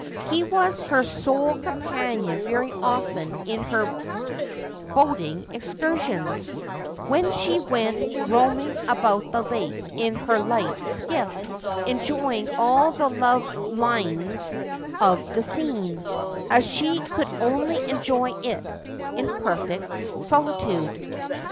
He was her sole companion very often in her boating excursions, when she went roaming about the lake in her light skiff, enjoying all the love liness of the scene, as she could only enjoy it, in perfect solitude.